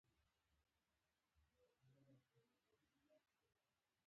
پېټرا ته تللې دا لاره یو ساعت اوږده او غرنۍ ده.